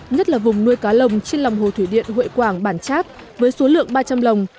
nhất là vùng nuôi cá lồng trên lòng hồ thủy điện huệ quảng bản chát với số lượng ba trăm linh lồng